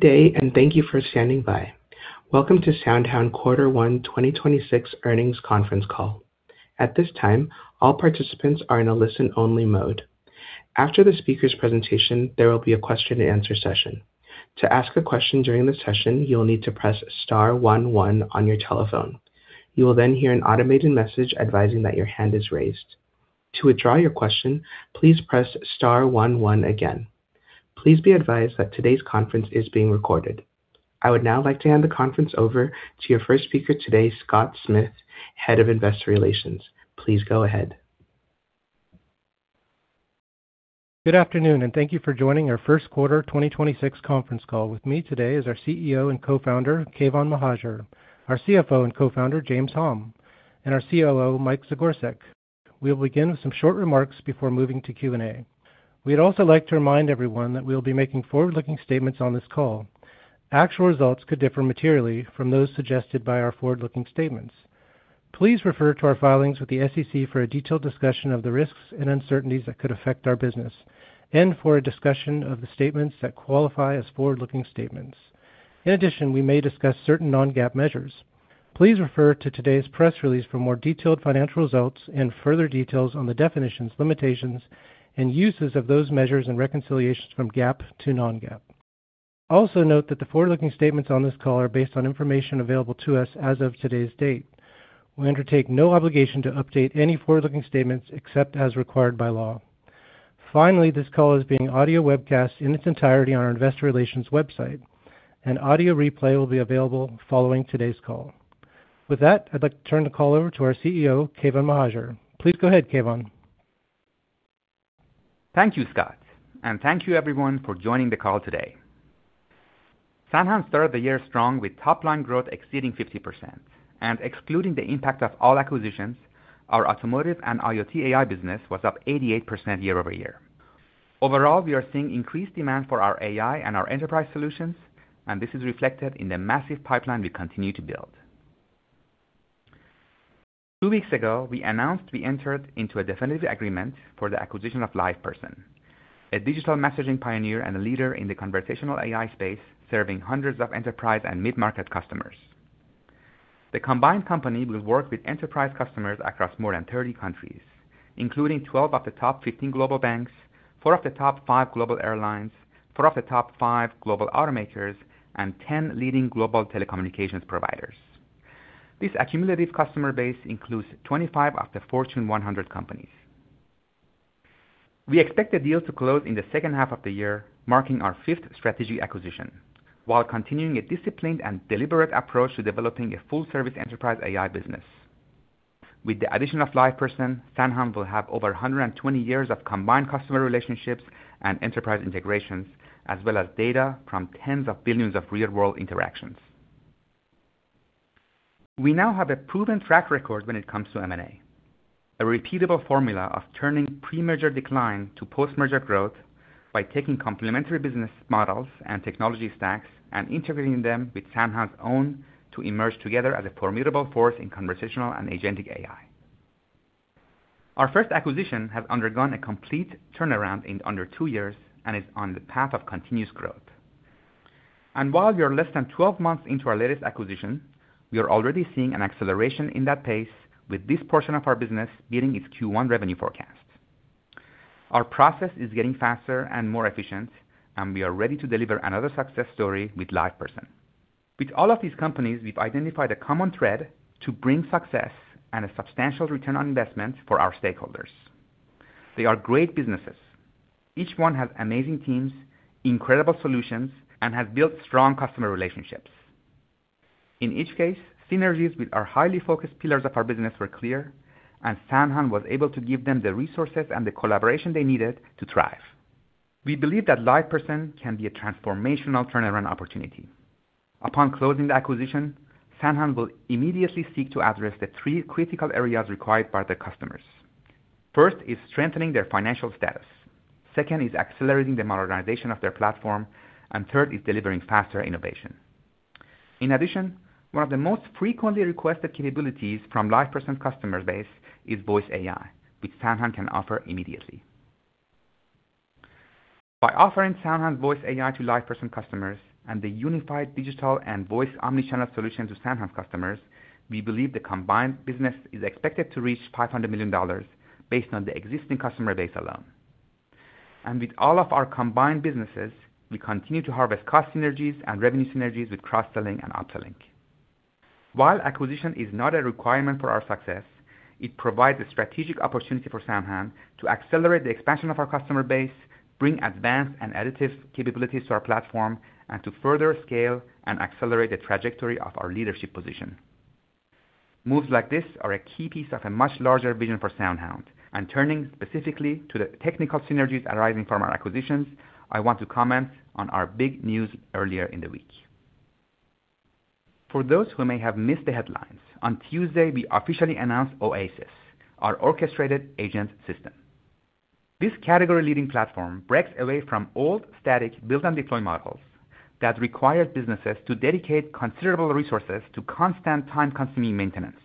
Good day, and thank you for standing by. Welcome to SoundHound AI Quarter One 2026 Earnings Conference Call. At this time, all participants are in a listen-only mode. After the speaker's presentation, there will be a Q&A session. To ask a question during the session, you'll need to press star one one on your telephone. You will then hear an automated message advising that your hand is raised. To withdraw your question, please press star one one again. Please be advised that today's conference is being recorded. I would now like to hand the conference over to your first speaker today, Scott Smith, Head of Investor Relations. Please go ahead. Good afternoon. Thank you for joining our first quarter 2026 conference call. With me today is our CEO and Co-founder, Keyvan Mohajer, our CFO and Co-founder, James Hom, and our COO, Mike Zagorsek. We'll begin with some short remarks before moving to Q&A. We'd also like to remind everyone that we'll be making forward-looking statements on this call. Actual results could differ materially from those suggested by our forward-looking statements. Please refer to our filings with the SEC for a detailed discussion of the risks and uncertainties that could affect our business and for a discussion of the statements that qualify as forward-looking statements. In addition, we may discuss certain non-GAAP measures. Please refer to today's press release for more detailed financial results and further details on the definitions, limitations, and uses of those measures and reconciliations from GAAP to non-GAAP. Also note that the forward-looking statements on this call are based on information available to us as of today's date. We undertake no obligation to update any forward-looking statements except as required by law. Finally, this call is being audio webcast in its entirety on our investor relations website. An audio replay will be available following today's call. With that, I'd like to turn the call over to our CEO, Keyvan Mohajer. Please go ahead, Keyvan. Thank you, Scott, thank you everyone for joining the call today. SoundHound AI started the year strong with top-line growth exceeding 50% and excluding the impact of all acquisitions, our automotive and IoT AI business was up 88% year-over-year. Overall, we are seeing increased demand for our AI and our enterprise solutions, this is reflected in the massive pipeline we continue to build. Two weeks ago, we announced we entered into a definitive agreement for the acquisition of LivePerson, a digital messaging pioneer and a leader in the conversational AI space, serving hundreds of enterprise and mid-market customers. The combined company will work with enterprise customers across more than 30 countries, including 12 of the top 15 global banks, four of the top five global airlines, four of the top five global automakers, and 10 leading global telecommunications providers. This accumulative customer base includes 25 of the Fortune 100 companies. We expect the deal to close in the second half of the year, marking our fifth strategy acquisition, while continuing a disciplined and deliberate approach to developing a full-service enterprise AI business. With the addition of LivePerson, SoundHound AI will have over 120 years of combined customer relationships and enterprise integrations, as well as data from tens of billions of real-world interactions. We now have a proven track record when it comes to M&A, a repeatable formula of turning pre-merger decline to post-merger growth by taking complementary business models and technology stacks and integrating them with SoundHound AI's own to emerge together as a formidable force in conversational and agentic AI. Our first acquisition has undergone a complete turnaround in under two years and is on the path of continuous growth. While we are less than 12 months into our latest acquisition, we are already seeing an acceleration in that pace with this portion of our business beating its Q1 revenue forecast. Our process is getting faster and more efficient, and we are ready to deliver another success story with LivePerson. With all of these companies, we've identified a common thread to bring success and a substantial return on investment for our stakeholders. They are great businesses. Each one has amazing teams, incredible solutions, and has built strong customer relationships. In each case, synergies with our highly focused pillars of our business were clear, and SoundHound was able to give them the resources and the collaboration they needed to thrive. We believe that LivePerson can be a transformational turnaround opportunity. Upon closing the acquisition, SoundHound will immediately seek to address the three critical areas required by the customers. First is strengthening their financial status. Second is accelerating the modernization of their platform. Third is delivering faster innovation. In addition, one of the most frequently requested capabilities from LivePerson's customer base is voice AI, which SoundHound can offer immediately. By offering SoundHound's voice AI to LivePerson customers and the unified digital and voice omni-channel solution to SoundHound customers, we believe the combined business is expected to reach $500 million based on the existing customer base alone. With all of our combined businesses, we continue to harvest cost synergies and revenue synergies with cross-selling and up-selling. While acquisition is not a requirement for our success, it provides a strategic opportunity for SoundHound to accelerate the expansion of our customer base, bring advanced and additive capabilities to our platform, and to further scale and accelerate the trajectory of our leadership position. Moves like this are a key piece of a much larger vision for SoundHound AI. Turning specifically to the technical synergies arising from our acquisitions, I want to comment on our big news earlier in the week. For those who may have missed the headlines, on Tuesday, we officially announced OASYS, our Orchestrated Agent System. This category-leading platform breaks away from old static build-and-deploy models that required businesses to dedicate considerable resources to constant time-consuming maintenance.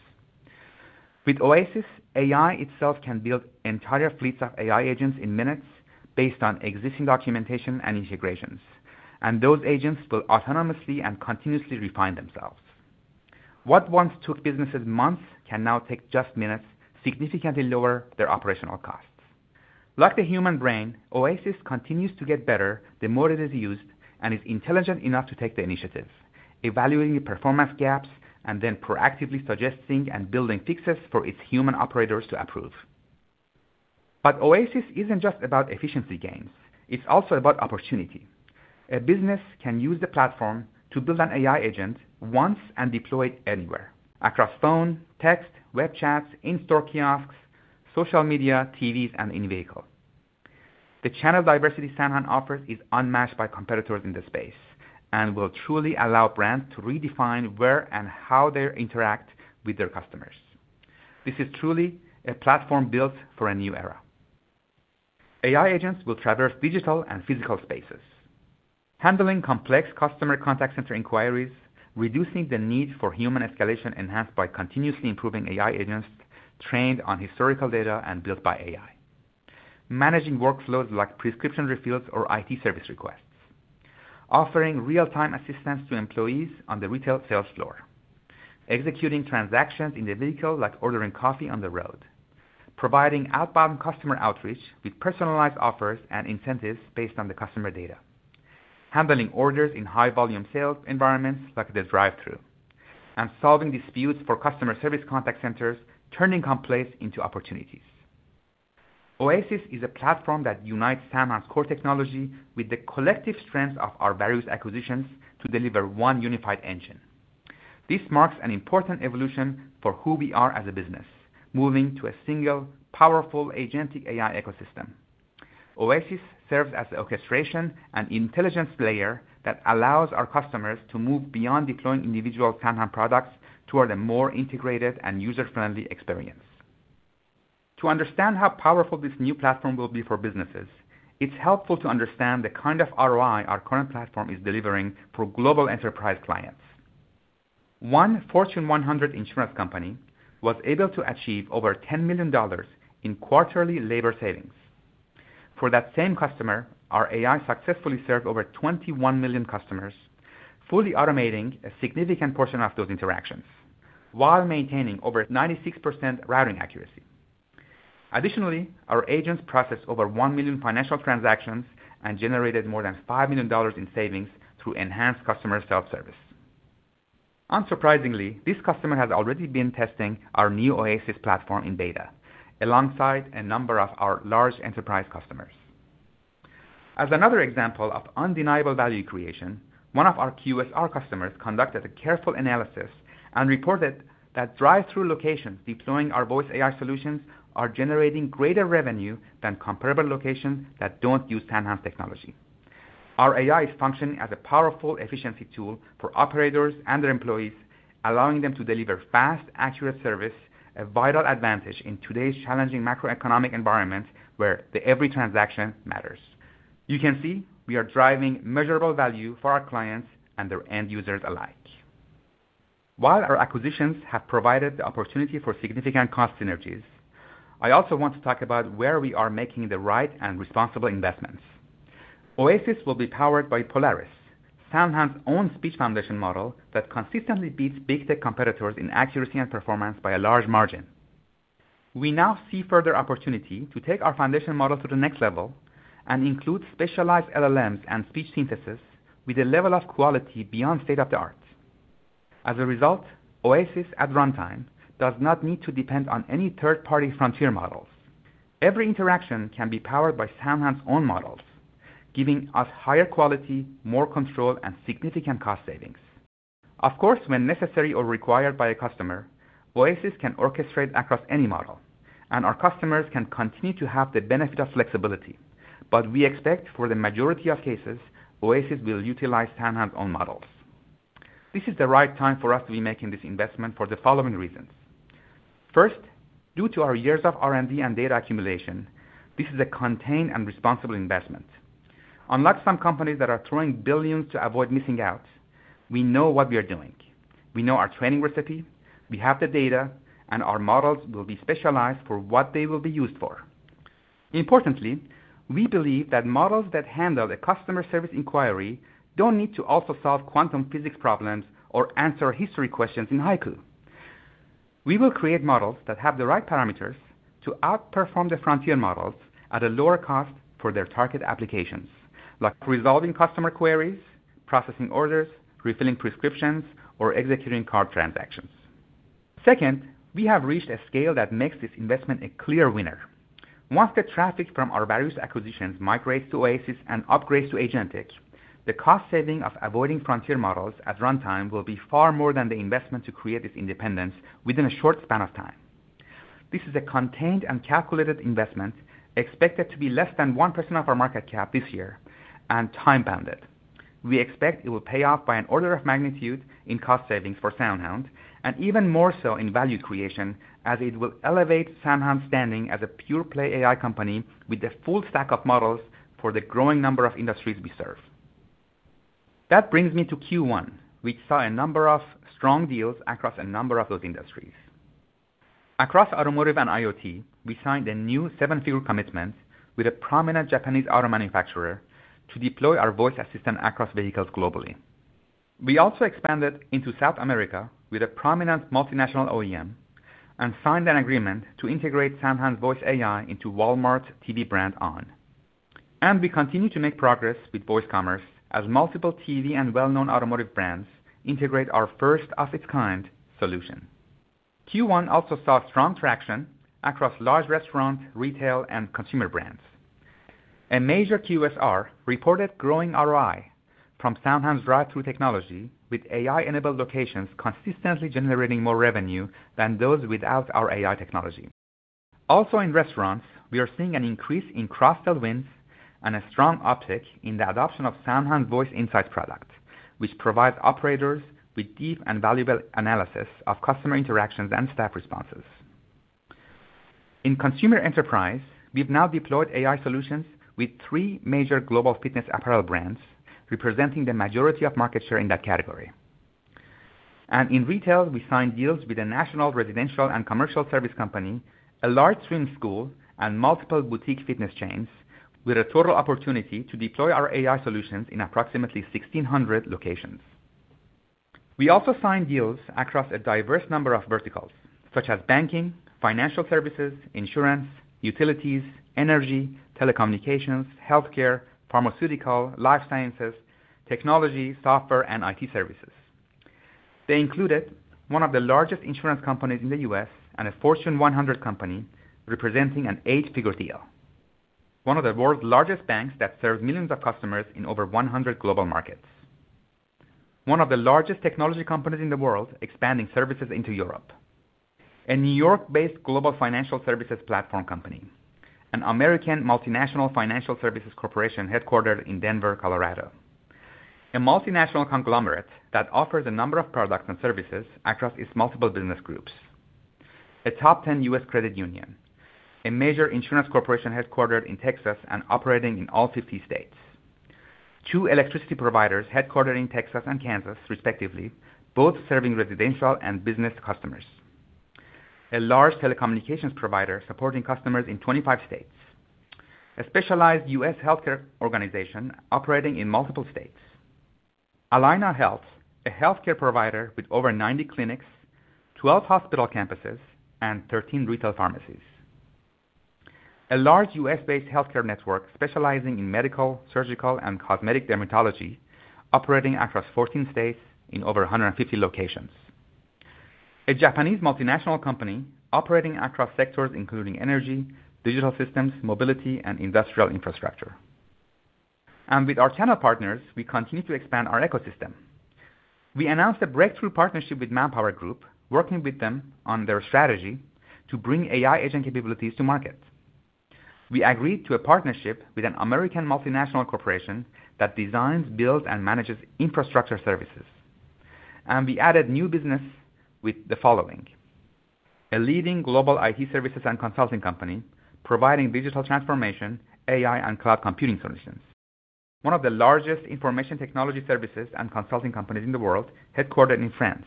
With OASYS, AI itself can build entire fleets of AI agents in minutes based on existing documentation and integrations, and those agents will autonomously and continuously refine themselves. What once took businesses months can now take just minutes, significantly lower their operational costs. Like the human brain, OASYS continues to get better the more it is used and is intelligent enough to take the initiative, evaluating performance gaps and then proactively suggesting and building fixes for its human operators to approve. OASYS isn't just about efficiency gains. It's also about opportunity. A business can use the platform to build an AI agent once and deploy it anywhere across phone, text, web chats, in-store kiosks, social media, TVs, and in-vehicle. The channel diversity SoundHound offers is unmatched by competitors in the space and will truly allow brands to redefine where and how they interact with their customers. This is truly a platform built for a new era. AI agents will traverse digital and physical spaces, handling complex customer contact center inquiries, reducing the need for human escalation enhanced by continuously improving AI agents trained on historical data and built by AI. Managing workflows like prescription refills or IT service requests, offering real-time assistance to employees on the retail sales floor, executing transactions in the vehicle like ordering coffee on the road, providing outbound customer outreach with personalized offers and incentives based on the customer data, handling orders in high volume sales environments like the drive-thru, and solving disputes for customer service contact centers, turning complaints into opportunities. OASYS is a platform that unites SoundHound's core technology with the collective strengths of our various acquisitions to deliver one unified engine. This marks an important evolution for who we are as a business, moving to a single powerful agentic AI ecosystem. OASYS serves as the orchestration and intelligence layer that allows our customers to move beyond deploying individual SoundHound products toward a more integrated and user-friendly experience. To understand how powerful this new platform will be for businesses, it's helpful to understand the kind of ROI our current platform is delivering for global enterprise clients. One Fortune 100 insurance company was able to achieve over $10 million in quarterly labor savings. For that same customer, our AI successfully served over 21 million customers, fully automating a significant portion of those interactions while maintaining over 96% routing accuracy. Additionally, our agents processed over 1 million financial transactions and generated more than $5 million in savings through enhanced customer self-service. Unsurprisingly, this customer has already been testing our new OASYS platform in beta alongside a number of our large enterprise customers. As another example of undeniable value creation, one of our QSR customers conducted a careful analysis and reported that drive-thru locations deploying our voice AI solutions are generating greater revenue than comparable locations that don't use SoundHound technology. Our AI is functioning as a powerful efficiency tool for operators and their employees, allowing them to deliver fast, accurate service, a vital advantage in today's challenging macroeconomic environment where the every transaction matters. You can see we are driving measurable value for our clients and their end users alike. While our acquisitions have provided the opportunity for significant cost synergies, I also want to talk about where we are making the right and responsible investments. OASYS will be powered by Polaris, SoundHound's own speech foundation model that consistently beats big tech competitors in accuracy and performance by a large margin. We now see further opportunity to take our foundation model to the next level and include specialized LLMs and speech synthesis with a level of quality beyond state-of-the-art. As a result, OASYS at runtime does not need to depend on any third-party frontier models. Every interaction can be powered by SoundHound's own models, giving us higher quality, more control, and significant cost savings. Of course, when necessary or required by a customer, OASYS can orchestrate across any model, and our customers can continue to have the benefit of flexibility. We expect for the majority of cases, OASYS will utilize SoundHound's own models. This is the right time for us to be making this investment for the following reasons. First, due to our years of R&D and data accumulation, this is a contained and responsible investment. Unlike some companies that are throwing billions to avoid missing out, we know what we are doing. We know our training recipe, we have the data, and our models will be specialized for what they will be used for. Importantly, we believe that models that handle the customer service inquiry don't need to also solve quantum physics problems or answer history questions in haiku. We will create models that have the right parameters to outperform the frontier models at a lower cost for their target applications, like resolving customer queries, processing orders, refilling prescriptions, or executing card transactions. Second, we have reached a scale that makes this investment a clear winner. Once the traffic from our various acquisitions migrates to OASYS and upgrades to agentic, the cost saving of avoiding frontier models at runtime will be far more than the investment to create this independence within a short span of time. This is a contained and calculated investment expected to be less than 1% of our market cap this year and time-bounded. We expect it will pay off by an order of magnitude in cost savings for SoundHound, and even more so in value creation as it will elevate SoundHound's standing as a pure play AI company with a full stack of models for the growing number of industries we serve. That brings me to Q1, which saw a number of strong deals across a number of those industries. Across automotive and IoT, we signed a new seven-figure commitment with a prominent Japanese auto manufacturer to deploy our voice assistant across vehicles globally. We also expanded into South America with a prominent multinational OEM and signed an agreement to integrate SoundHound's Voice AI into Walmart's TV brand onn. We continue to make progress with Voice Commerce as multiple TV and well-known automotive brands integrate our first of its kind solution. Q1 also saw strong traction across large restaurant, retail, and consumer brands. A major QSR reported growing ROI from SoundHound's drive-thru technology with AI-enabled locations consistently generating more revenue than those without our AI technology. Also in restaurants, we are seeing an increase in cross-sell wins and a strong uptick in the adoption of SoundHound's Voice Insights product, which provides operators with deep and valuable analysis of customer interactions and staff responses. In consumer enterprise, we've now deployed AI solutions with three major global fitness apparel brands, representing the majority of market share in that category. In retail, we signed deals with a national residential and commercial service company, a large swim school, and multiple boutique fitness chains with a total opportunity to deploy our AI solutions in approximately 1,600 locations. We also signed deals across a diverse number of verticals such as banking, financial services, insurance, utilities, energy, telecommunications, healthcare, pharmaceutical, life sciences, technology, software, and IT services. They included one of the largest insurance companies in the U.S. and a Fortune 100 company representing an 8-figure deal. One of the world's largest banks that serves millions of customers in over 100 global markets. One of the largest technology companies in the world expanding services into Europe. A New York-based global financial services platform company. An American multinational financial services corporation headquartered in Denver, Colorado. A multinational conglomerate that offers a number of products and services across its multiple business groups. A top 10 U.S. credit union. A major insurance corporation headquartered in Texas and operating in all 50 states. Two electricity providers headquartered in Texas and Kansas respectively, both serving residential and business customers. A large telecommunications provider supporting customers in 25 states. A specialized U.S. healthcare organization operating in multiple states. Allina Health, a healthcare provider with over 90 clinics, 12 hospital campuses, and 13 retail pharmacies. A large U.S.-based healthcare network specializing in medical, surgical, and cosmetic dermatology operating across 14 states in over 150 locations. A Japanese multinational company operating across sectors including energy, digital systems, mobility, and industrial infrastructure. With our channel partners, we continue to expand our ecosystem. We announced a breakthrough partnership with ManpowerGroup, working with them on their strategy to bring AI agent capabilities to market. We agreed to a partnership with an American multinational corporation that designs, builds, and manages infrastructure services. We added new business with the following: A leading global IT services and consulting company providing digital transformation, AI, and cloud computing solutions. One of the largest information technology services and consulting companies in the world, headquartered in France.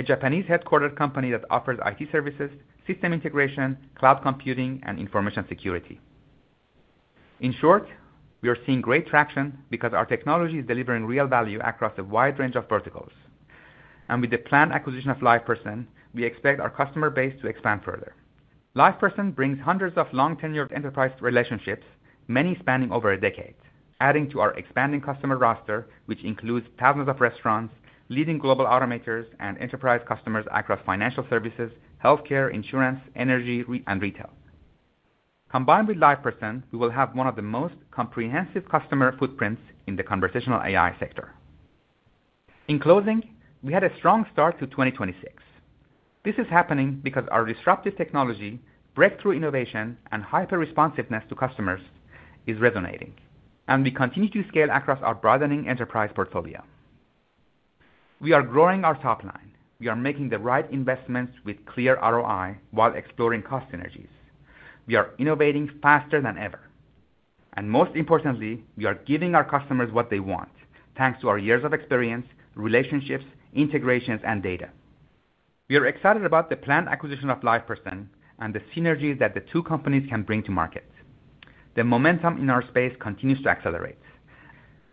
A Japanese-headquartered company that offers IT services, system integration, cloud computing, and information security. In short, we are seeing great traction because our technology is delivering real value across a wide range of verticals. With the planned acquisition of LivePerson, we expect our customer base to expand further. LivePerson brings hundreds of long tenured enterprise relationships, many spanning over a decade, adding to our expanding customer roster, which includes thousands of restaurants, leading global automakers and enterprise customers across financial services, healthcare, insurance, energy, and retail. Combined with LivePerson, we will have one of the most comprehensive customer footprints in the conversational AI sector. In closing, we had a strong start to 2026. This is happening because our disruptive technology, breakthrough innovation, and hyper-responsiveness to customers is resonating, we continue to scale across our broadening enterprise portfolio. We are growing our top line. We are making the right investments with clear ROI while exploring cost synergies. We are innovating faster than ever. Most importantly, we are giving our customers what they want thanks to our years of experience, relationships, integrations, and data. We are excited about the planned acquisition of LivePerson and the synergy that the two companies can bring to market. The momentum in our space continues to accelerate,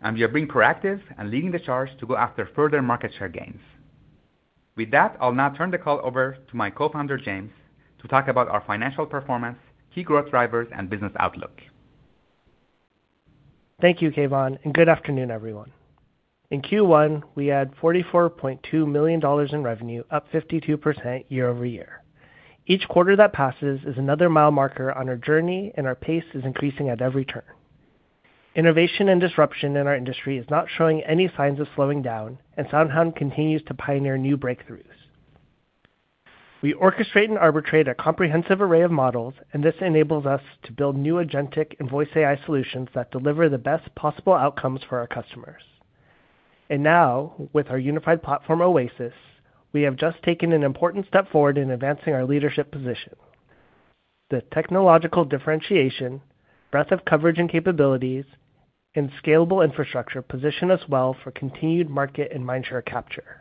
and we are being proactive and leading the charge to go after further market share gains. With that, I'll now turn the call over to my co-founder, James, to talk about our financial performance, key growth drivers, and business outlook. Thank you, Keyvan. Good afternoon, everyone. In Q1, we had $44.2 million in revenue, up 52% year-over-year. Each quarter that passes is another mile marker on our journey. Our pace is increasing at every turn. Innovation and disruption in our industry is not showing any signs of slowing down. SoundHound AI continues to pioneer new breakthroughs. We orchestrate and arbitrate a comprehensive array of models. This enables us to build new agentic and voice AI solutions that deliver the best possible outcomes for our customers. Now, with our unified platform, OASYS, we have just taken an important step forward in advancing our leadership position. The technological differentiation, breadth of coverage and capabilities, and scalable infrastructure position us well for continued market and mind share capture.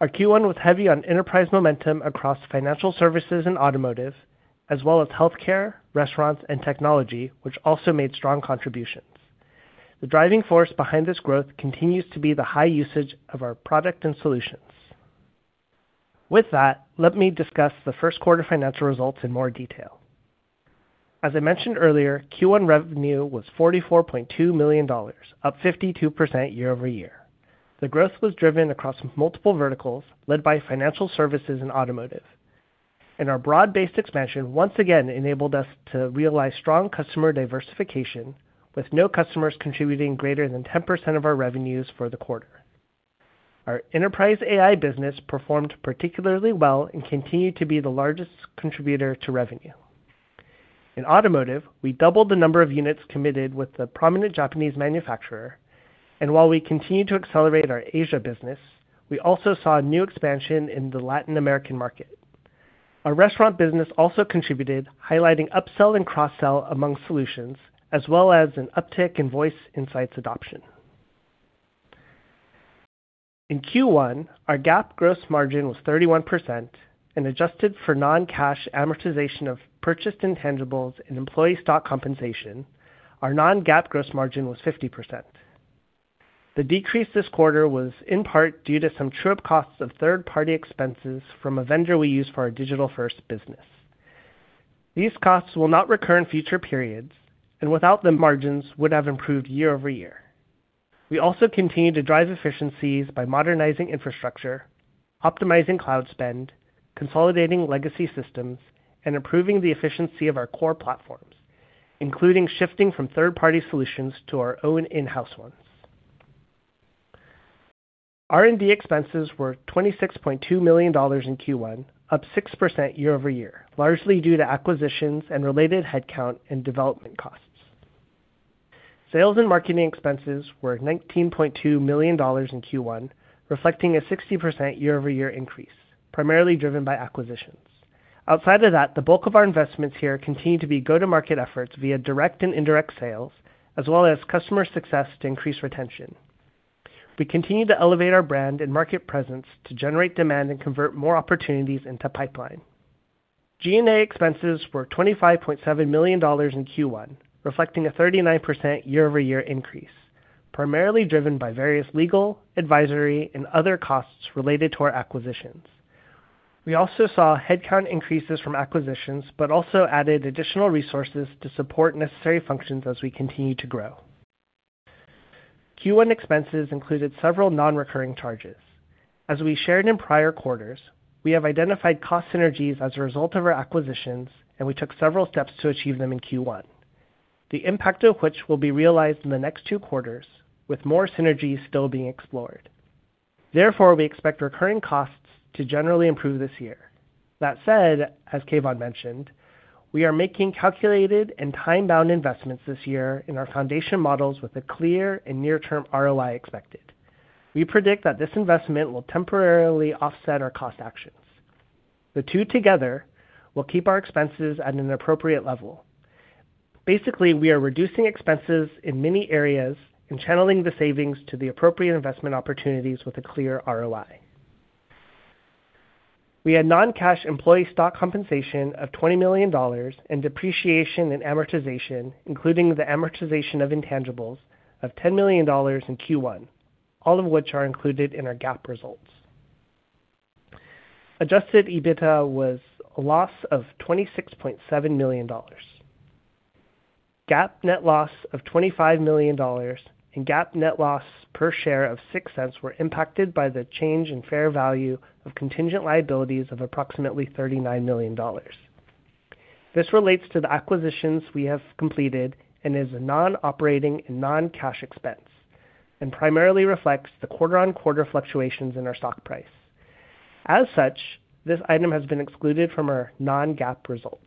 Our Q1 was heavy on enterprise momentum across financial services and automotive, as well as healthcare, restaurants, and technology, which also made strong contributions. The driving force behind this growth continues to be the high usage of our product and solutions. With that, let me discuss the first quarter financial results in more detail. As I mentioned earlier, Q1 revenue was $44.2 million, up 52% year-over-year. The growth was driven across multiple verticals, led by financial services and automotive. Our broad-based expansion once again enabled us to realize strong customer diversification, with no customers contributing greater than 10% of our revenues for the quarter. Our enterprise AI business performed particularly well and continued to be the largest contributor to revenue. In automotive, we doubled the number of units committed with a prominent Japanese manufacturer. While we continue to accelerate our Asia business, we also saw a new expansion in the Latin American market. Our restaurant business also contributed, highlighting upsell and cross-sell among solutions, as well as an uptick in Voice Insights adoption. In Q1, our GAAP gross margin was 31% and adjusted for non-cash amortization of purchased intangibles and employee stock compensation. Our non-GAAP gross margin was 50%. The decrease this quarter was in part due to some true-up costs of third-party expenses from a vendor we use for our digital-first business. These costs will not recur in future periods, and without them, margins would have improved year-over-year. We also continue to drive efficiencies by modernizing infrastructure, optimizing cloud spend, consolidating legacy systems, and improving the efficiency of our core platforms, including shifting from third-party solutions to our own in-house ones. R&D expenses were $26.2 million in Q1, up 6% year-over-year, largely due to acquisitions and related headcount and development costs. Sales and marketing expenses were $19.2 million in Q1, reflecting a 60% year-over-year increase, primarily driven by acquisitions. Outside of that, the bulk of our investments here continue to be go-to-market efforts via direct and indirect sales, as well as customer success to increase retention. We continue to elevate our brand and market presence to generate demand and convert more opportunities into pipeline. G&A expenses were $25.7 million in Q1, reflecting a 39% year-over-year increase, primarily driven by various legal, advisory, and other costs related to our acquisitions. We also saw headcount increases from acquisitions, but also added additional resources to support necessary functions as we continue to grow. Q1 expenses included several non-recurring charges. As we shared in prior quarters, we have identified cost synergies as a result of our acquisitions, and we took several steps to achieve them in Q1, the impact of which will be realized in the next two quarters, with more synergies still being explored. Therefore, we expect recurring costs to generally improve this year. That said, as Keyvan mentioned, we are making calculated and time-bound investments this year in our foundation models with a clear and near-term ROI expected. We predict that this investment will temporarily offset our cost actions. The two together will keep our expenses at an appropriate level. Basically, we are reducing expenses in many areas and channeling the savings to the appropriate investment opportunities with a clear ROI. We had non-cash employee stock compensation of $20 million and depreciation and amortization, including the amortization of intangibles of $10 million in Q1, all of which are included in our GAAP results. Adjusted EBITDA was a loss of $26.7 million. GAAP net loss of $25 million and GAAP net loss per share of $0.06 were impacted by the change in fair value of contingent liabilities of approximately $39 million. This relates to the acquisitions we have completed and is a non-operating and non-cash expense and primarily reflects the quarter-on-quarter fluctuations in our stock price. As such, this item has been excluded from our non-GAAP results.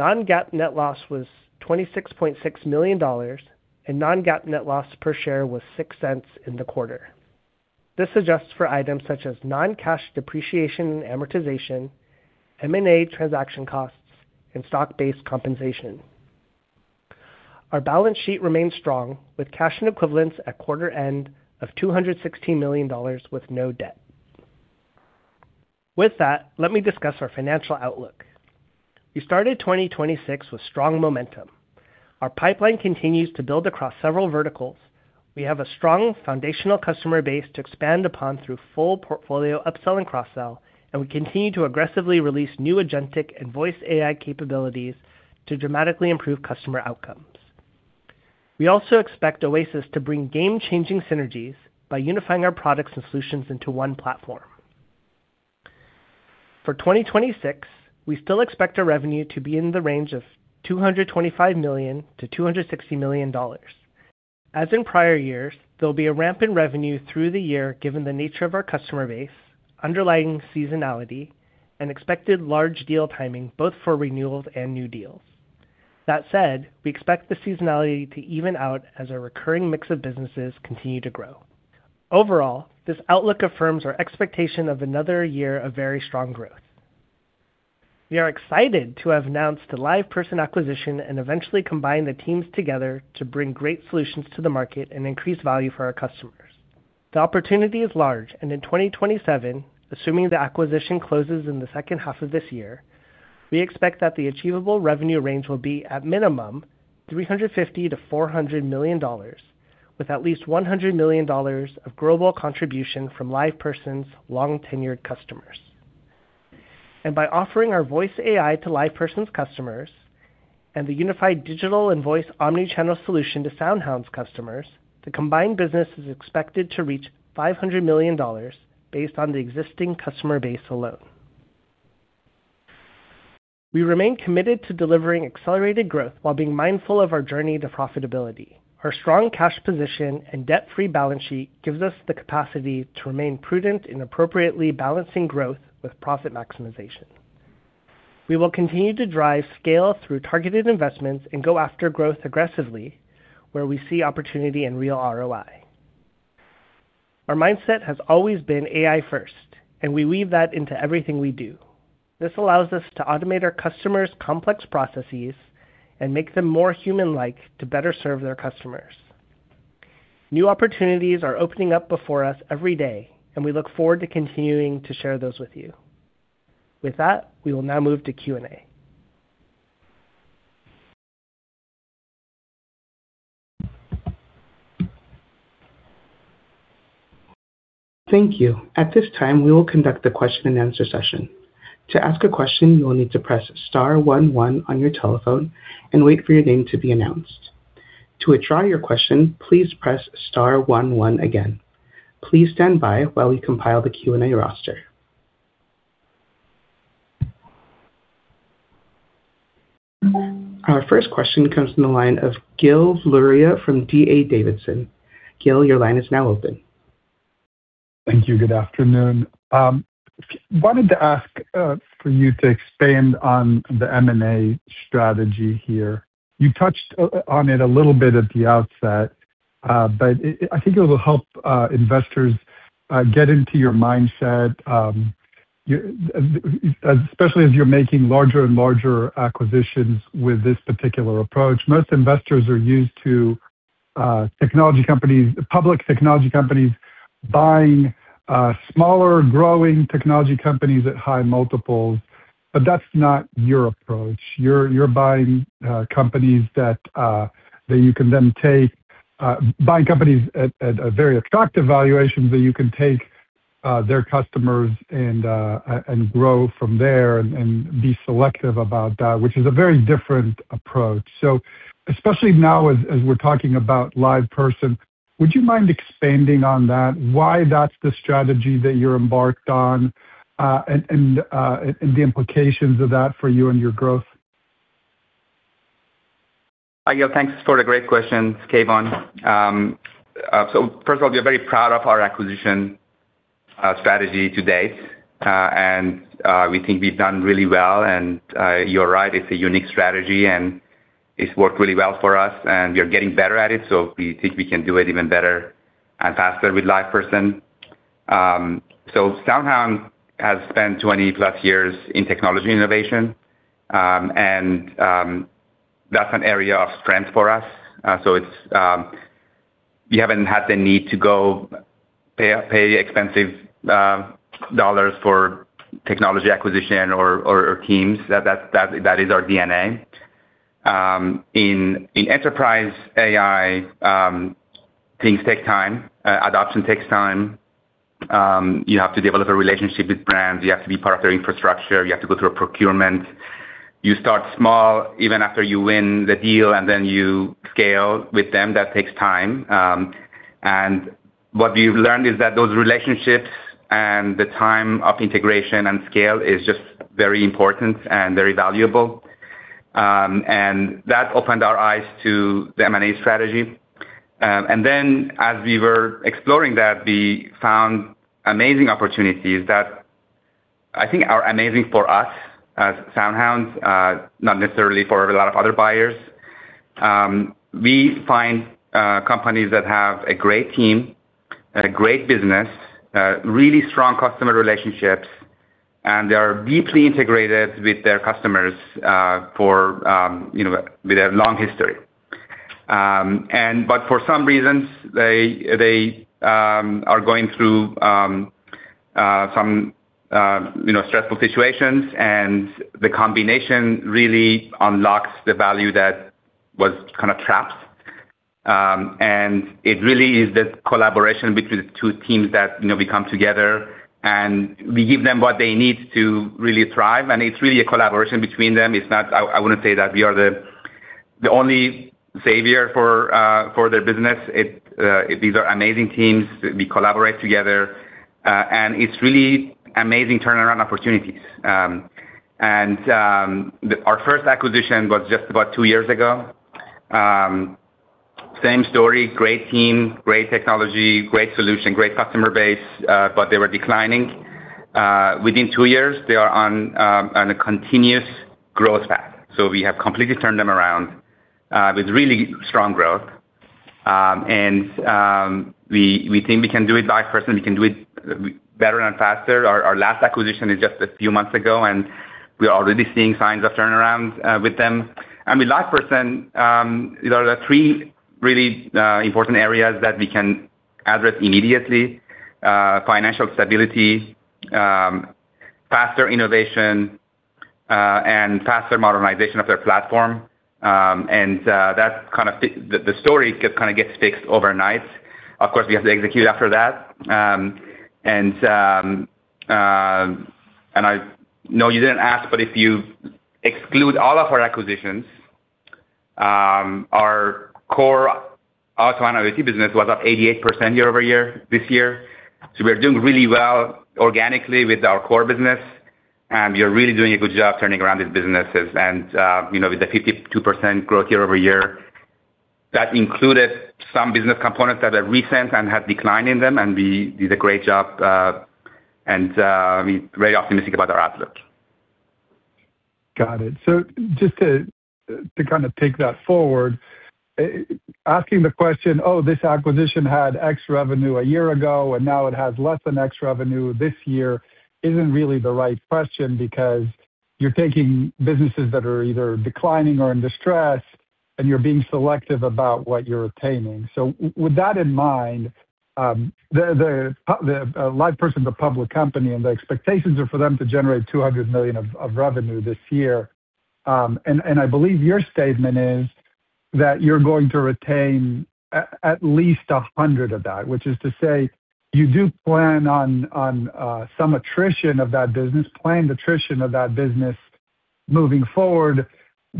Non-GAAP net loss was $26.6 million, and non-GAAP net loss per share was $0.06 in the quarter. This adjusts for items such as non-cash depreciation and amortization, M&A transaction costs, and stock-based compensation. Our balance sheet remains strong, with cash and equivalents at quarter end of $216 million with no debt. With that, let me discuss our financial outlook. We started 2026 with strong momentum. Our pipeline continues to build across several verticals. We have a strong foundational customer base to expand upon through full portfolio upsell and cross-sell, and we continue to aggressively release new agentic and voice AI capabilities to dramatically improve customer outcomes. We also expect OASYS to bring game-changing synergies by unifying our products and solutions into one platform. For 2026, we still expect our revenue to be in the range of $225 million-$260 million. As in prior years, there'll be a ramp in revenue through the year given the nature of our customer base, underlying seasonality, and expected large deal timing both for renewals and new deals. That said, we expect the seasonality to even out as our recurring mix of businesses continue to grow. Overall, this outlook affirms our expectation of another year of very strong growth. We are excited to have announced the LivePerson acquisition and eventually combine the teams together to bring great solutions to the market and increase value for our customers. The opportunity is large, in 2027, assuming the acquisition closes in the second half of this year, we expect that the achievable revenue range will be at minimum $350 million-$400 million, with at least $100 million of growable contribution from LivePerson's long-tenured customers. By offering our voice AI to LivePerson's customers and the unified digital and voice omni-channel solution to SoundHound's customers, the combined business is expected to reach $500 million based on the existing customer base alone. We remain committed to delivering accelerated growth while being mindful of our journey to profitability. Our strong cash position and debt-free balance sheet gives us the capacity to remain prudent in appropriately balancing growth with profit maximization. We will continue to drive scale through targeted investments and go after growth aggressively where we see opportunity and real ROI. Our mindset has always been AI first, and we weave that into everything we do. This allows us to automate our customers' complex processes and make them more human-like to better serve their customers. New opportunities are opening up before us every day, and we look forward to continuing to share those with you. With that, we will now move to Q&A. Thank you. At this time, we will conduct the Q&A session. To ask a question, you'll need to press star one one on your telephone and wait for your name to be announced. To withdraw your question, please press star one one again. Please stand by while we compile the Q&A roster. Our first question comes from the line of Gil Luria from D.A. Davidson. Gil, your line is now open. Thank you. Good afternoon. Wanted to ask for you to expand on the M&A strategy here. You touched on it a little bit at the outset, but I think it will help investors get into your mindset, especially as you're making larger and larger acquisitions with this particular approach. Most investors are used to technology companies, public technology companies buying smaller growing technology companies at high multiples, but that's not your approach. You're buying companies that you can then take, buying companies at very attractive valuations that you can take their customers and grow from there and be selective about that, which is a very different approach. Especially now as we're talking about LivePerson, would you mind expanding on that, why that's the strategy that you're embarked on, and the implications of that for you and your growth? Hi, Gil. Thanks for the great question. It's Keyvan. First of all, we are very proud of our acquisition strategy today. We think we've done really well. You're right, it's a unique strategy, and it's worked really well for us, and we are getting better at it, so we think we can do it even better and faster with LivePerson. SoundHound has spent 20 plus years in technology innovation, and that's an area of strength for us. We haven't had the need to go pay expensive dollars for technology acquisition or teams. That's our DNA. In enterprise AI, things take time. Adoption takes time. You have to develop a relationship with brands. You have to be part of their infrastructure. You have to go through a procurement. You start small even after you win the deal, then you scale with them. That takes time. What we've learned is that those relationships and the time of integration and scale is just very important and very valuable. That opened our eyes to the M&A strategy. As we were exploring that, we found amazing opportunities that I think are amazing for us as SoundHound AI, not necessarily for a lot of other buyers. We find companies that have a great team and a great business, really strong customer relationships, and they are deeply integrated with their customers for, you know, with a long history. But for some reasons, they are going through, you know, stressful situations, and the combination really unlocks the value that was kind of trapped. It really is this collaboration between the two teams that, you know, we come together, and we give them what they need to really thrive. It's really a collaboration between them. I wouldn't say that we are the only savior for their business. These are amazing teams. We collaborate together, it's really amazing turnaround opportunities. Our first acquisition was just about two years ago. Same story, great team, great technology, great solution, great customer base, but they were declining. Within two years, they are on a continuous growth path. We have completely turned them around with really strong growth. We think we can do it by person, we can do it better and faster. Our last acquisition is just a few months ago, and we are already seeing signs of turnarounds with them. With LivePerson, there are three really important areas that we can address immediately. Financial stability, faster innovation, and faster modernization of their platform. That kind of story gets fixed overnight. Of course, we have to execute after that. I know you didn't ask, but if you exclude all of our acquisitions, our core auto analytics business was up 88% year-over-year this year. We're doing really well organically with our core business. We are really doing a good job turning around these businesses and, you know, with the 52% growth year-over-year, that included some business components that are recent and have decline in them, and we did a great job. We are very optimistic about our outlook. Got it. Just to kind of take that forward. Asking the question, "Oh, this acquisition had X revenue a year ago, and now it has less than X revenue this year," isn't really the right question because you're taking businesses that are either declining or in distress, and you're being selective about what you're obtaining. With that in mind, the LivePerson's a public company, and the expectations are for them to generate $200 million of revenue this year. I believe your statement is that you're going to retain at least $100 of that, which is to say you do plan on some attrition of that business, planned attrition of that business moving forward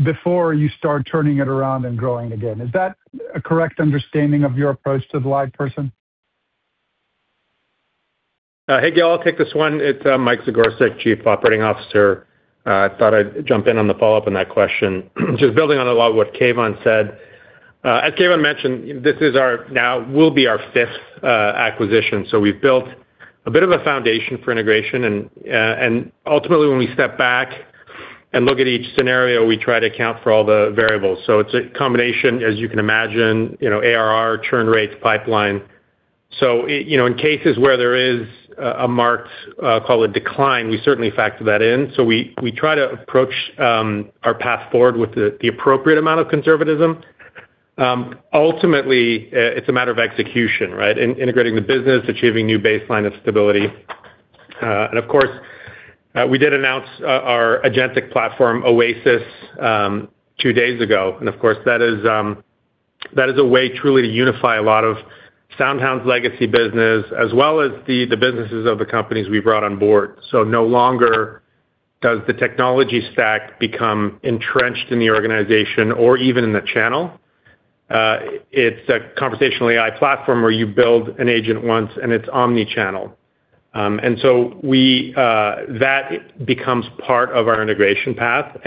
before you start turning it around and growing again. Is that a correct understanding of your approach to the LivePerson? Hey, Gil Luria, I'll take this one. It's Mike Zagorsek, Chief Operating Officer. I thought I'd jump in on the follow-up on that question. Just building on a lot of what Keyvan Mohajer said. As Keyvan Mohajer mentioned, this is now will be our fifth acquisition. We've built a bit of a foundation for integration and ultimately, when we step back and look at each scenario, we try to account for all the variables. It's a combination, as you can imagine, you know, ARR, churn rates, pipeline. You know, in cases where there is a marked, call it decline, we certainly factor that in. We try to approach our path forward with the appropriate amount of conservatism. Ultimately, it's a matter of execution, right? Integrating the business, achieving new baseline of stability. Of course, we did announce our agentic platform, OASYS, two days ago. That is a way truly to unify a lot of SoundHound AI's legacy business, as well as the businesses of the companies we brought on board. No longer does the technology stack become entrenched in the organization or even in the channel. It's a conversational AI platform where you build an agent once, and it's omni-channel. We, that becomes part of our integration path.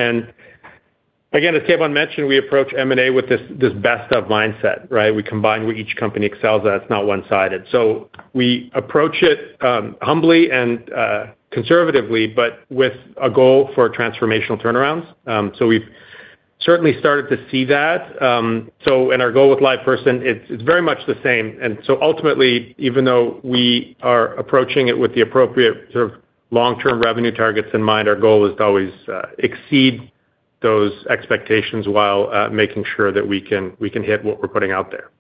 Again, as Keyvan mentioned, we approach M&A with this best of mindset, right? We combine what each company excels at. It's not one-sided. We approach it humbly and conservatively, but with a goal for transformational turnarounds. We've certainly started to see that. Our goal with LivePerson, it's very much the same. Ultimately, even though we are approaching it with the appropriate sort of long-term revenue targets in mind, our goal is to always exceed those expectations while making sure that we can hit what we're putting out there.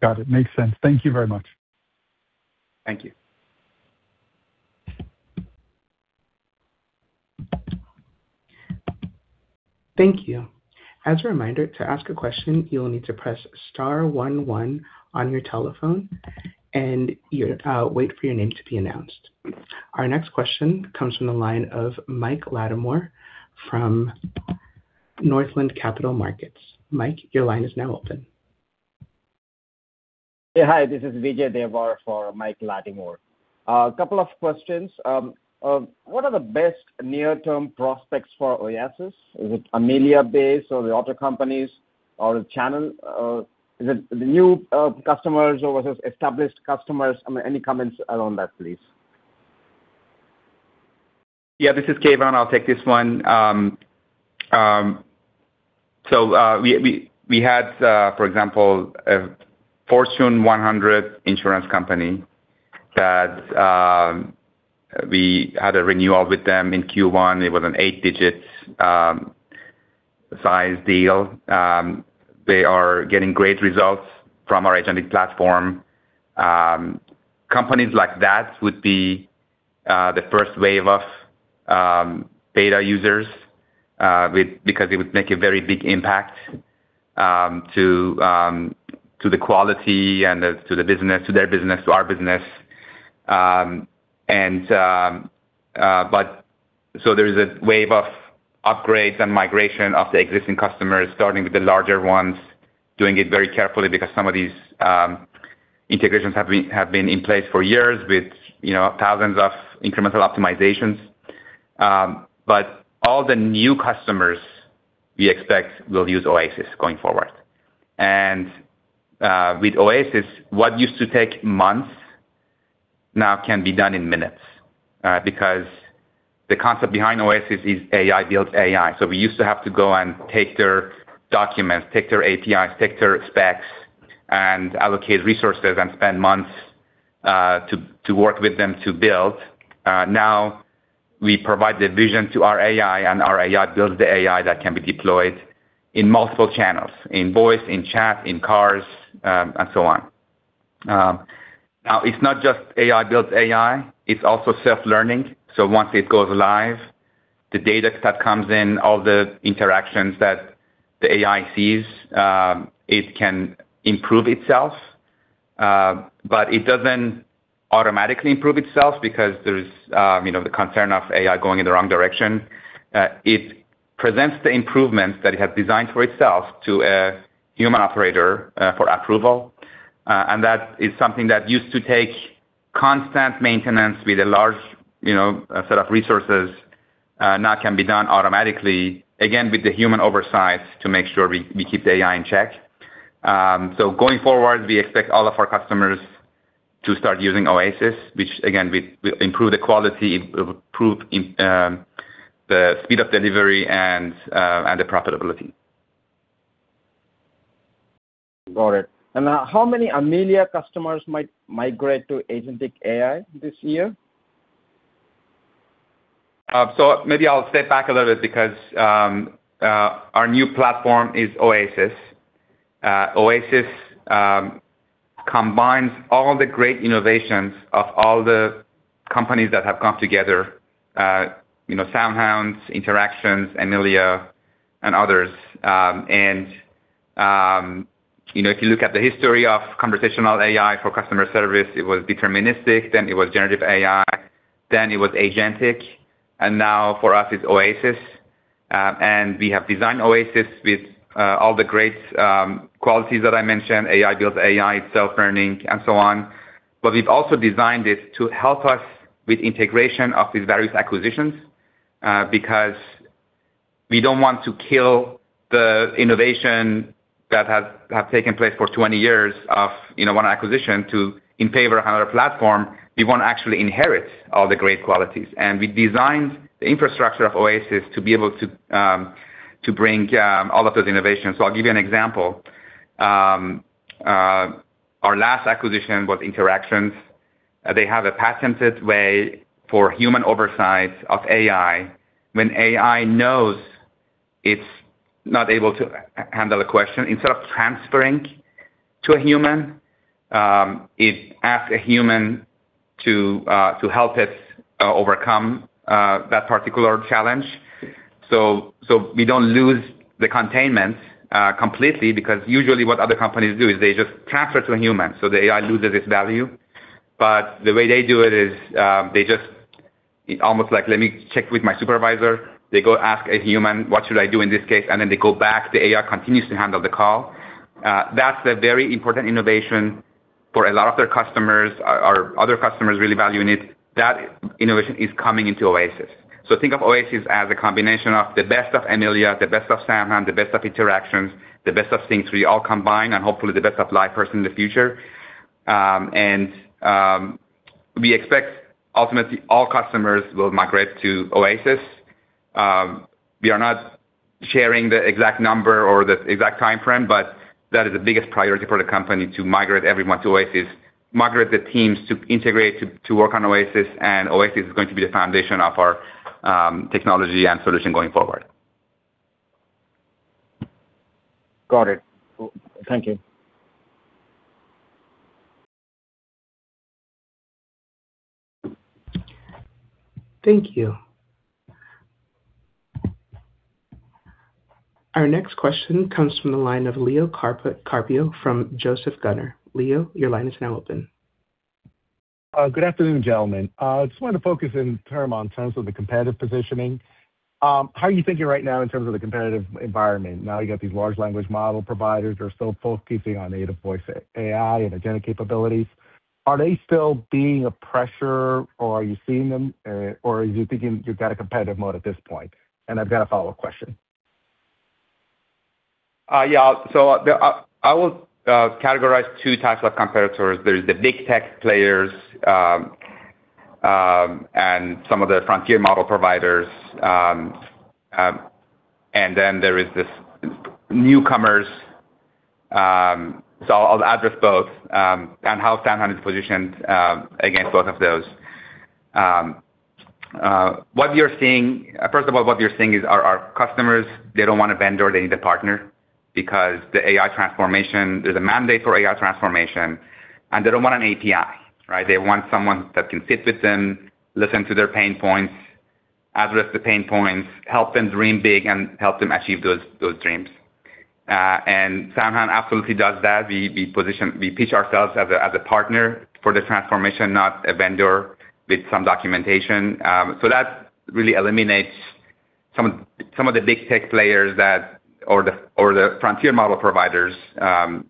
Got it. Makes sense. Thank you very much. Thank you. Thank you. As a reminder, to ask a question, you'll need to press star one one on your telephone and wait for your name to be announced. Our next question comes from the line of Mike Latimore from Northland Capital Markets. Mike, your line is now open. Yeah. Hi, this is Vijay Devar for Mike Latimore. A couple of questions. What are the best near-term prospects for OASYS? Is it Amelia-based or the auto companies or the channel? Is it the new customers or was it established customers? Any comments around that, please? Yeah, this is Keyvan. I'll take this one. We had, for example, a Fortune 100 insurance company that we had a renewal with them in Q1. It was an 8-digit size deal. They are getting great results from our agentic platform. Companies like that would be the first wave of beta users because it would make a very big impact to the quality and the business, to their business, to our business. There's a wave of upgrades and migration of the existing customers, starting with the larger ones, doing it very carefully because some of these integrations have been in place for years with, you know, thousands of incremental optimizations. All the new customers we expect will use OASYS going forward. With OASYS, what used to take months now can be done in minutes because the concept behind OASYS is AI builds AI. We used to have to go and take their documents, take their APIs, take their specs, and allocate resources and spend months to work with them to build. Now we provide the vision to our AI, and our AI builds the AI that can be deployed in multiple channels, in voice, in chat, in cars, and so on. Now it's not just AI builds AI, it's also self-learning. Once it goes live, the data that comes in, all the interactions that the AI sees, it can improve itself. But it doesn't automatically improve itself because there's, you know, the concern of AI going in the wrong direction. It presents the improvements that it has designed for itself to a human operator for approval. And that is something that used to take constant maintenance with a large, you know, a set of resources, now can be done automatically, again, with the human oversight to make sure we keep the AI in check. Going forward, we expect all of our customers to start using OASYS, which again, will improve the quality, improve the speed of delivery and the profitability. Got it. How many Amelia customers might migrate to agentic AI this year? Maybe I'll step back a little bit because our new platform is OASYS. OASYS combines all the great innovations of all the companies that have come together, you know, SoundHound, Interactions, Amelia, and others. You know, if you look at the history of conversational AI for customer service, it was deterministic, then it was Generative AI, then it was agentic, and now for us it's OASYS. We have designed OASYS with all the great qualities that I mentioned, AI builds AI, it's self-learning and so on. We've also designed it to help us with integration of these various acquisitions because we don't want to kill the innovation that has taken place for 20 years of, you know, one acquisition to in favor of another platform. We want to actually inherit all the great qualities. We designed the infrastructure of OASYS to be able to bring all of those innovations. I'll give you an example. Our last acquisition was Interactions. They have a patented way for human oversight of AI. When AI knows it's not able to handle a question, instead of transferring to a human, it asks a human to help it overcome that particular challenge. We don't lose the containment completely because usually what other companies do is they just transfer to a human, the AI loses its value. The way they do it is, they just almost like, "Let me check with my supervisor." They go ask a human, "What should I do in this case?" Then they go back. The AI continues to handle the call. That's a very important innovation for a lot of their customers. Our other customers really value it. That innovation is coming into OASYS. Think of OASYS as a combination of the best of Amelia, the best of SoundHound, the best of Interactions, the best of SYNQ3, all combined, and hopefully the best of LivePerson in the future. We expect ultimately all customers will migrate to OASYS. We are not sharing the exact number or the exact timeframe, but that is the biggest priority for the company to migrate everyone to OASYS, migrate the teams to integrate to work on OASYS. OASYS is going to be the foundation of our technology and solution going forward. Got it. Thank you. Thank you. Our next question comes from the line of Leo Carpio from Joseph Gunnar. Leo, your line is now open. Good afternoon, gentlemen. I just wanted to focus in term on sense of the competitive positioning. How are you thinking right now in terms of the competitive environment? Now you've got these large language model providers who are still focusing on native voice AI and agentic capabilities. Are they still being a pressure or are you seeing them, or are you thinking you've got a competitive moat at this point? I've got a follow-up question. I will categorize two types of competitors. There's the big tech players, some of the frontier model providers. There is this newcomers. I'll address both and how SoundHound is positioned against both of those. First of all, what we are seeing is our customers, they don't want a vendor, they need a partner because the AI transformation, there's a mandate for AI transformation, and they don't want an API, right? They want someone that can sit with them, listen to their pain points, address the pain points, help them dream big, and help them achieve those dreams. SoundHound absolutely does that. We pitch ourselves as a partner for the transformation, not a vendor with some documentation. So that really eliminates some of the big tech players that or the, or the frontier model providers,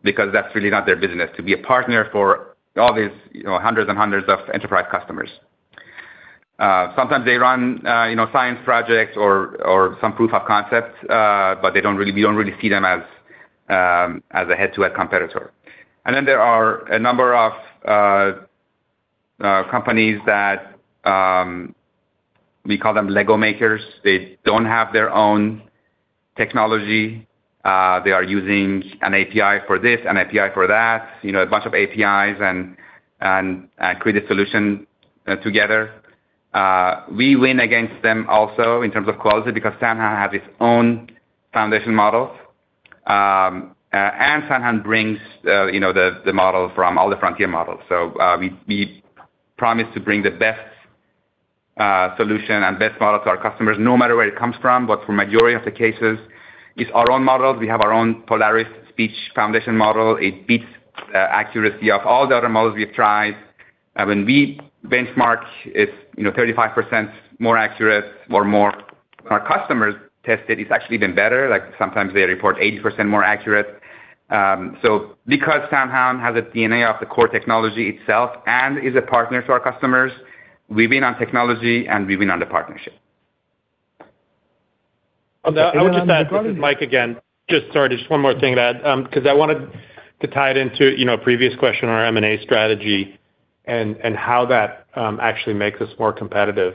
because that's really not their business to be a partner for all these, you know, hundreds and hundreds of enterprise customers. Sometimes they run, you know, science projects or some proof of concepts, but we don't really see them as a head-to-head competitor. There are a number of companies that we call them Lego makers. They don't have their own technology. They are using an API for this, an API for that, you know, a bunch of APIs and create a solution together. We win against them also in terms of quality because SoundHound AI has its own foundation models. SoundHound brings, you know, the model from all the frontier models. We promise to bring the best solution and best model to our customers no matter where it comes from. For majority of the cases, it's our own models. We have our own Polaris speech foundation model. It beats accuracy of all the other models we've tried. When we benchmark, it's, you know, 35% more accurate or more. Our customers test it's actually even better. Like, sometimes they report 80% more accurate. Because SoundHound has a DNA of the core technology itself and is a partner to our customers, we win on technology, and we win on the partnership. I would just add, this is Mike again. Just one more thing to add, 'cause I wanted to tie it into, you know, previous question on our M&A strategy and how that actually makes us more competitive.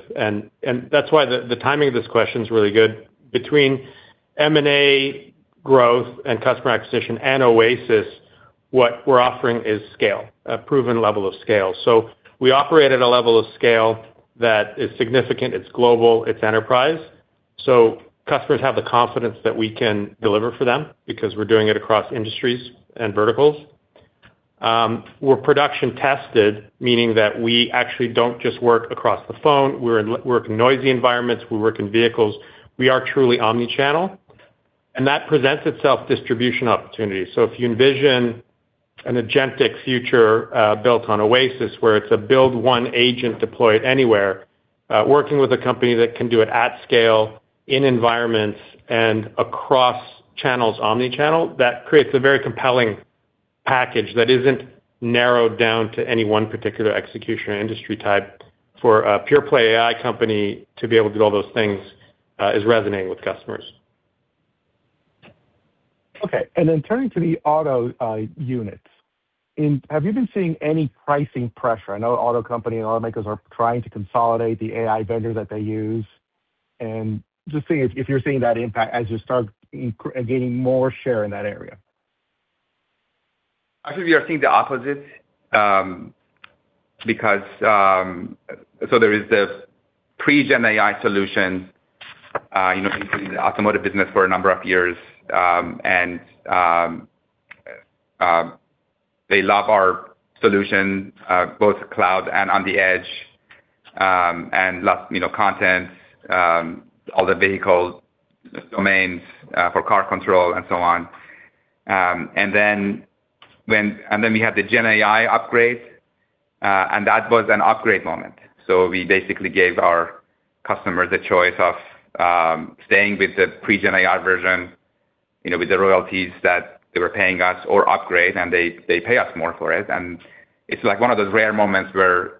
That's why the timing of this question is really good. Between M&A growth and customer acquisition and OASYS, what we're offering is scale, a proven level of scale. We operate at a level of scale that is significant, it's global, it's enterprise. Customers have the confidence that we can deliver for them because we're doing it across industries and verticals. We're production tested, meaning that we actually don't just work across the phone. We work in noisy environments, we work in vehicles. We are truly omni-channel, and that presents itself distribution opportunities. If you envision an agentic future, built on OASYS, where it's a build one agent deployed anywhere, working with a company that can do it at scale in environments and across channels, omni-channel, that creates a very compelling package that isn't narrowed down to any one particular execution or industry type. For a pure play AI company to be able to do all those things, is resonating with customers. Okay. Turning to the auto units. Have you been seeing any pricing pressure? I know auto company and automakers are trying to consolidate the AI vendor that they use. Seeing if you're seeing that impact as you start gaining more share in that area. Actually, we are seeing the opposite, because there is the pre-Gen AI solution, you know, we've been in the automotive business for a number of years, and they love our solution, both cloud and on the edge, and love, you know, content, all the vehicles, domains, for car control and so on. We had the Gen AI upgrade, that was an upgrade moment. We basically gave our customers a choice of staying with the pre-Gen AI version, you know, with the royalties that they were paying us or upgrade, and they pay us more for it. It's like one of those rare moments where,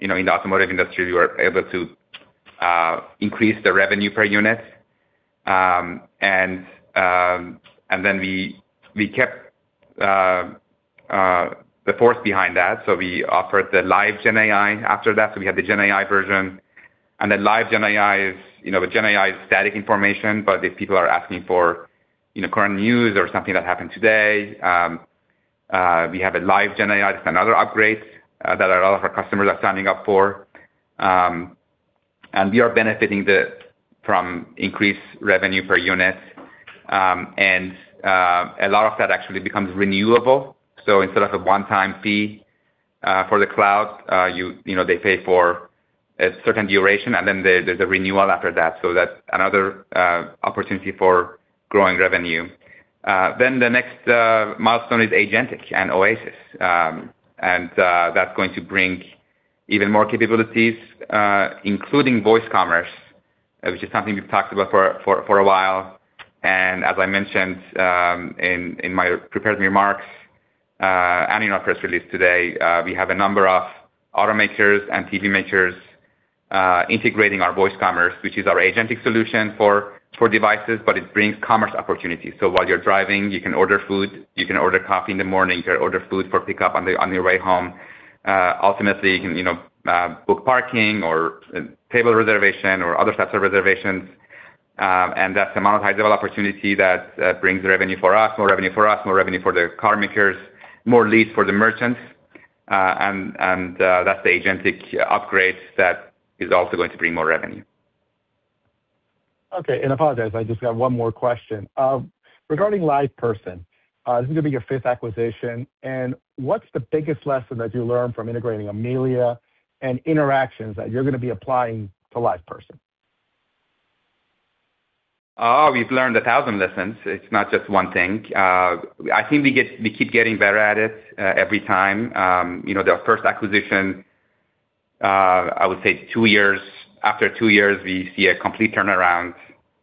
you know, in the automotive industry, we were able to increase the revenue per unit. We kept the force behind that. We offered the live Gen AI after that. We had the Gen AI version. Live Gen AI is, you know, the Gen AI is static information, but if people are asking for, you know, current news or something that happened today, we have a live Gen AI. It's another upgrade that a lot of our customers are signing up for. We are benefiting from increased revenue per unit. A lot of that actually becomes renewable. Instead of a one-time fee for the cloud, you know, they pay for a certain duration, and then there's a renewal after that. That's another opportunity for growing revenue. The next milestone is agentic and OASYS. That's going to bring even more capabilities, including Voice Commerce, which is something we've talked about for a while. As I mentioned, in my prepared remarks, and in our press release today, we have a number of automakers and TV makers integrating our Voice Commerce, which is our agentic solution for devices, but it brings commerce opportunities. While you're driving, you can order food, you can order coffee in the morning, you can order food for pickup on your way home. Ultimately, you can book parking or table reservation or other types of reservations. That's a monetizable opportunity that brings revenue for us, more revenue for us, more revenue for the car makers, more leads for the merchants. That's the agentic upgrade that is also going to bring more revenue. Okay. Apologize, I just got one more question. Regarding LivePerson, this is going to be your fifth acquisition. What's the biggest lesson that you learned from integrating Amelia and Interactions that you're going to be applying to LivePerson? We've learned 1,000 lessons. It's not just one thing. I think we keep getting better at it every time. You know, the first acquisition, I would say two years. After two years, we see a complete turnaround.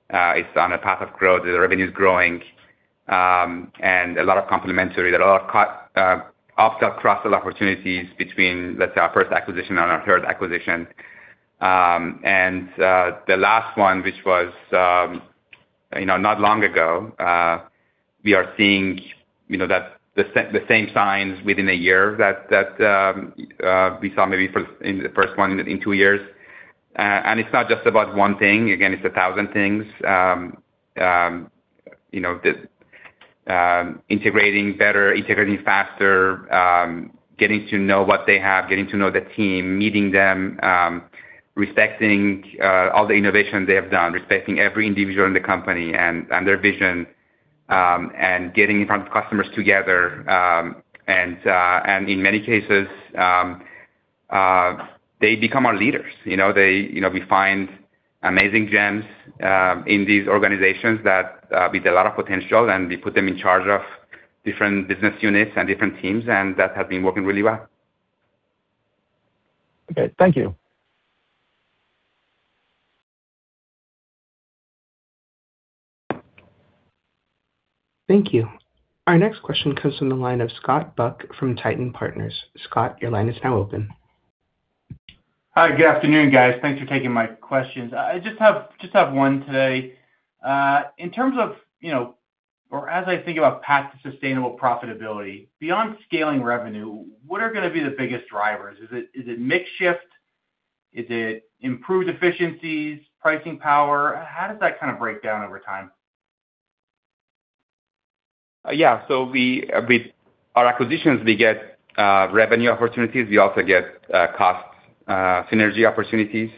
It's on a path of growth. The revenue's growing, and a lot of complementary. There are a lot of cross, upsell, cross-sell opportunities between, let's say, our first acquisition and our third acquisition. The last one, which was, you know, not long ago, we are seeing, you know, that the same signs within a year that we saw maybe in the first one in two years. It's not just about one thing. Again, it's 1,000 things. You know, the integrating better, integrating faster, getting to know what they have, getting to know the team, meeting them, respecting all the innovations they have done, respecting every individual in the company and their vision, and getting in front of customers together. In many cases, they become our leaders. You know, they, you know, we find amazing gems in these organizations that with a lot of potential, and we put them in charge of different business units and different teams, and that has been working really well. Okay. Thank you. Thank you. Our next question comes from the line of Scott Buck from Titan Partners. Scott, your line is now open. Hi. Good afternoon, guys. Thanks for taking my questions. I just have one today. In terms of, you know, or as I think about path to sustainable profitability, beyond scaling revenue, what are gonna be the biggest drivers? Is it mix shift? Is it improved efficiencies, pricing power? How does that kinda break down over time? Our acquisitions, we get revenue opportunities. We also get cost synergy opportunities.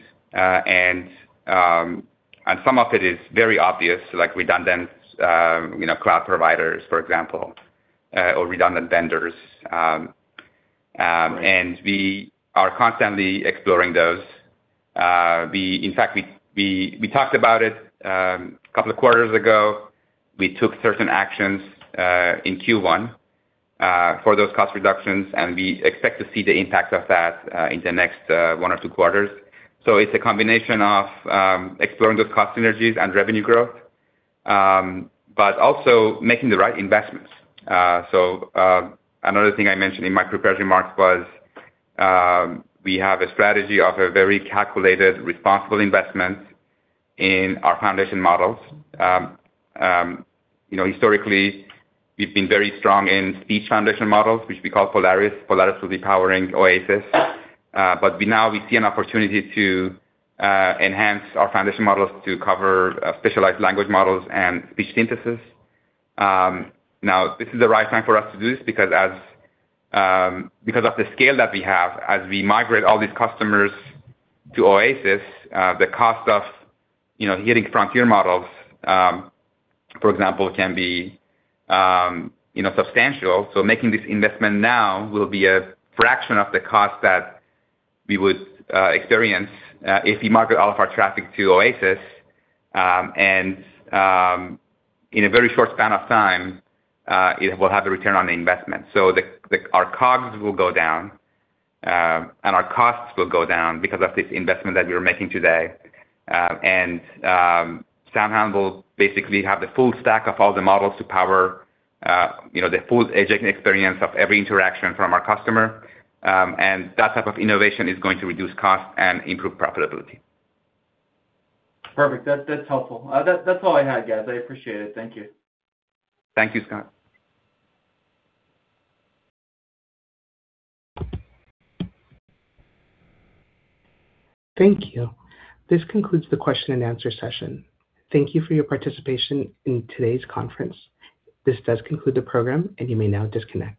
Some of it is very obvious, like redundant, you know, cloud providers, for example, or redundant vendors. We are constantly exploring those. In fact, we talked about it two quarters ago. We took certain actions in Q1 for those cost reductions, and we expect to see the impact of that in the next one or two quarters. It's a combination of exploring those cost synergies and revenue growth, but also making the right investments. Another thing I mentioned in my prepared remarks was, we have a strategy of a very calculated, responsible investment in our foundation models. You know, historically, we've been very strong in speech foundation models, which we call Polaris. Polaris will be powering OASYS. We now see an opportunity to enhance our foundation models to cover specialized language models and speech synthesis. Now this is the right time for us to do this because as because of the scale that we have, as we migrate all these customers to OASYS, the cost of, you know, getting frontier models, for example, can be, you know, substantial. Making this investment now will be a fraction of the cost that we would experience if we market all of our traffic to OASYS. In a very short span of time, it will have a return on the investment. Our COGS will go down, and our costs will go down because of this investment that we are making today. SoundHound will basically have the full stack of all the models to power, you know, the full agent experience of every interaction from our customer. That type of innovation is going to reduce cost and improve profitability. Perfect. That's helpful. That's all I had, guys. I appreciate it. Thank you. Thank you, Scott. Thank you. This concludes the Q&A session. Thank you for your participation in today's conference. This does conclude the program, and you may now disconnect.